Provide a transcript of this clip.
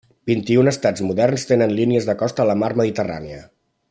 Vint-i-un estats moderns tenen línies de costa a la mar Mediterrània.